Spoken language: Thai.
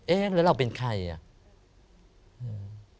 เอ๊ะแล้วเราเป็นใครอ่ะ